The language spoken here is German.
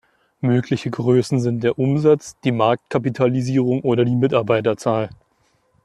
Mögliche Größen sind der Umsatz, die Marktkapitalisierung oder die Mitarbeiterzahl.